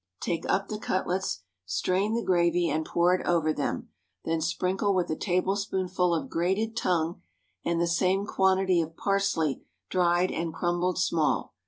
Take up the cutlets, strain the gravy and pour it over them, then sprinkle with a tablespoonful of grated tongue, and the same quantity of parsley dried and crumbled small.